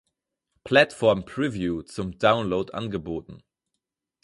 Platform Preview zum Download angeboten.